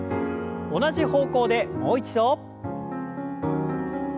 同じ方向でもう一度。